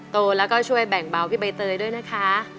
โตแล้วก็ช่วยแบ่งเบาพี่ใบเตยด้วยนะคะ